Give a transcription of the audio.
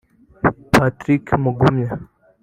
Patrick Mugumya